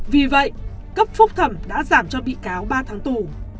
vì vậy cấp phúc thẩm đã giảm cho bị cáo ba tháng tù